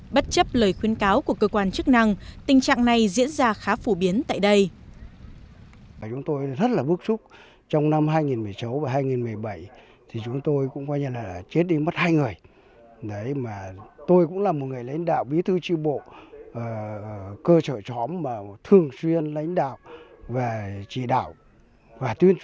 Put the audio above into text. bất chấp lời khuyến cáo của cơ quan chức năng tình trạng này diễn ra khá phổ biến tại đây